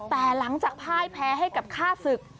แต่หลังจากพ่ายแพ้ให้กับฆ่าศึก